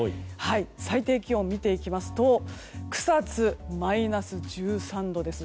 最低気温を見ていきますと草津、マイナス１３度です。